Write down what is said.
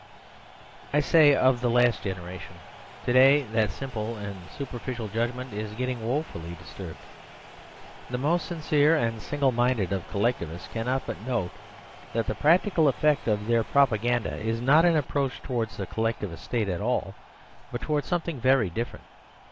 I say," of the last generation." To day that simple and superficial judgmentisgetting woefully disturbed. The most sincere and single minded of Collectivists cannot but note that the practical effect of their pro paganda is not an approach towards the Collectivist State at all, but towards something very different.